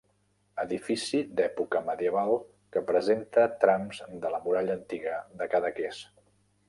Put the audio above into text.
Edifici d'època medieval que presenta trams de la muralla antiga de Cadaqués.